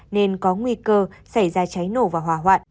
nên có nguy cơ xảy ra cháy nổ và hỏa hoạn